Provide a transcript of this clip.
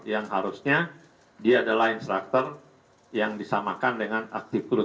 yang harusnya dia adalah instructor yang disamakan dengan aksi kru